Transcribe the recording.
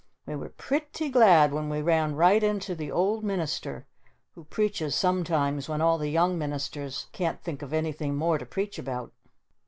We were pretty glad when we ran right into the Old Minister who preaches sometimes when all the young ministers can't think of anything more to preach about.